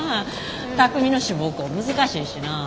巧海の志望校難しいしなあ。